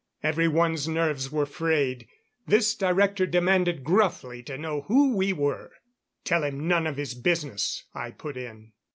Everyone's nerves were frayed; this Director demanded gruffly to know who we were. "Tell him none of his business," I put in.